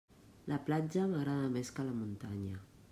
La platja m'agrada més que la muntanya.